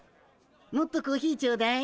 もっとコーヒーちょうだい。